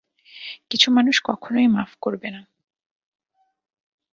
কিছু মানুষ কখনোই মাফ করবে না।